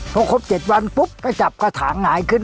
พอครบ๗วันปุ๊บก็จับกระถางหงายขึ้น